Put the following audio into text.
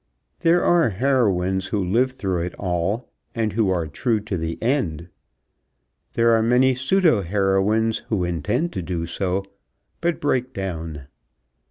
There are heroines who live through it all, and are true to the end. There are many pseudo heroines who intend to do so, but break down.